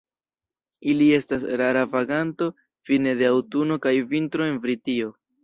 Ili estas rara vaganto fine de aŭtuno kaj vintro en Britio.